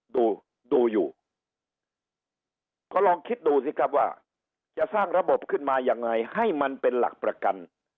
ดูดูอยู่ก็ลองคิดดูสิครับว่าจะสร้างระบบขึ้นมายังไงให้มันเป็นหลักประกัน